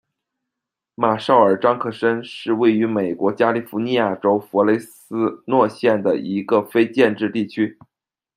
马绍尔章克申是位于美国加利福尼亚州弗雷斯诺县的一个非建制地区。